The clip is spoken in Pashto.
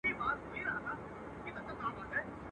برېت ئې ښه برېت دي، خو پر خوشي شونډه ولاړ دئ.